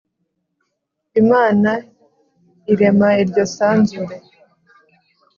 Imana irema iryo sanzure